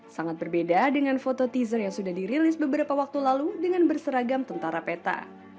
sangat berbeda dengan foto teaser yang sudah dirilis beberapa waktu lalu dengan berseragam tentara peta